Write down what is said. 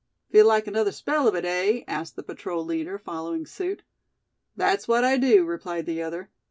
"Feel like another spell of it, eh?" asked the patrol leader, following suit. "That's what I do," replied the other.